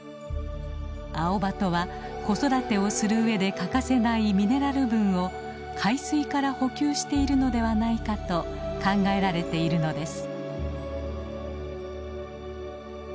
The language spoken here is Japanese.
アオバトは子育てをするうえで欠かせないミネラル分を海水から補給しているのではないかと考えられているのです。